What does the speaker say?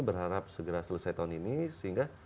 berharap segera selesai tahun ini sehingga